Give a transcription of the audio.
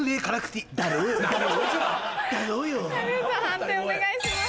判定お願いします。